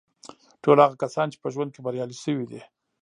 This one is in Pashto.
ټول هغه کسان چې په ژوند کې بریالي شوي دي